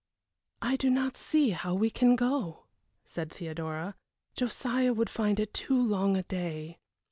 "I do not see how we can go," said Theodora. "Josiah would find it too long a day."